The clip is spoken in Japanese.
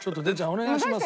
お願いしますよ。